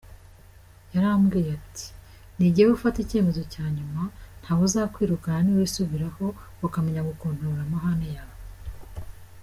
Yarambwiye ati:ni jyewe ufata icyemezo cya nyuma ntawuzakwirukana niwisubiraho, ukamenya gukontorora amahane yawe.